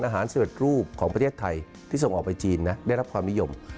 อาหารเสด็จรูปของประเทศไทยที่ส่งออกไปจีนนะได้รับความนิยม